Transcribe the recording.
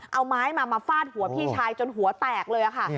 เอาไม้มามาฟาดหัวพี่ชายจนหัวแตกเลยค่ะ